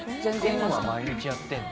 Ｍは毎日やってるの？